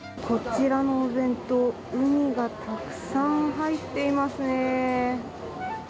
こちらのお弁当、うにがたくさん入っていますね。